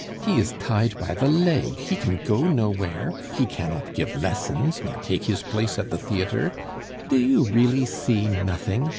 he is tied by the leg, he can go nowhere, he cannot give lessons nor take his place at the theatre. Do you really see nothing?